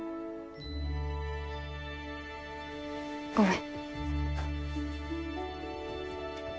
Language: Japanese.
ごめん。